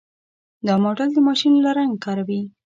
دا ماډل د ماشین لرنګ کاروي.